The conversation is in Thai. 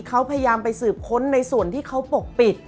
เขาพยายามไปสืบค้นในส่วนที่เขาปกปิด